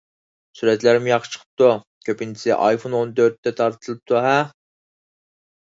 سۈرەتلەرمۇ ياخشى چىقىپتۇ، كۆپىنچىسى ئايفون ئون تۆتتە تارتىلىپتۇ-ھە؟